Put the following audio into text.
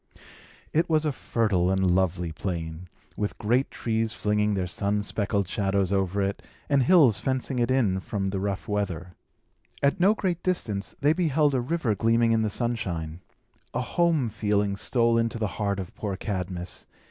It was a fertile and lovely plain, with great trees flinging their sun speckled shadows over it, and hills fencing it in from the rough weather. At no great distance, they beheld a river gleaming in the sunshine. A home feeling stole into the heart of poor Cadmus.